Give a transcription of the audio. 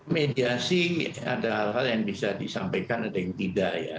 mediasi ada hal hal yang bisa disampaikan ada yang tidak ya